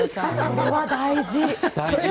それは大事。